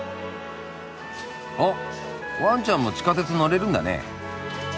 あっワンちゃんも地下鉄乗れるんだねえ。